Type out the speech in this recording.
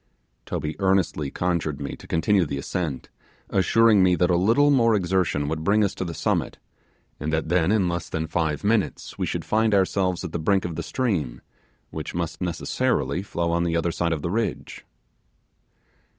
Toby earnestly conjured me to continue the ascent, assuring me that a little more exertion would bring us to the summit, and that then in less than five minutes we should find ourselves at the brink of the stream, which must necessarily flow on the other side of the ridge.